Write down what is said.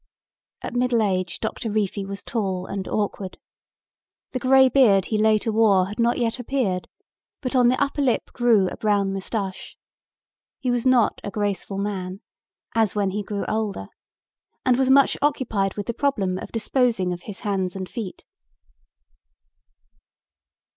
At middle age Doctor Reefy was tall and awkward. The grey beard he later wore had not yet appeared, but on the upper lip grew a brown mustache. He was not a graceful man, as when he grew older, and was much occupied with the problem of disposing of his hands and feet.